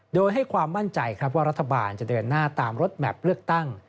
โดยให้ความมั่นใจครับว่ารัฐบาลจะเดินหน้าตามรถแมพเลือกตั้ง